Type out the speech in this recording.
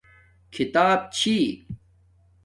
کھی تاپ چھݵی